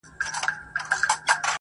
نه لري هيـڅ نــنــــگ_